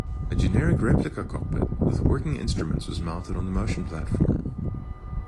A generic replica cockpit with working instruments was mounted on the motion platform.